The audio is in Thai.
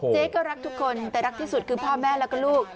เจ๊ก็รักทุกคนแต่รักที่สุดคือพ่อแม่แล้วก็ลูก